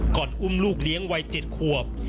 อุ้มลูกเลี้ยงวัย๗ขวบ